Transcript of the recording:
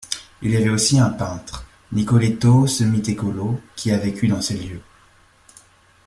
Il y avait aussi un peintre, Nicoletto Semitecolo, qui a vécu dans ces lieux.